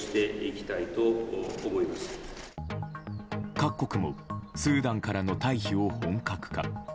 各国もスーダンからの退避を本格化。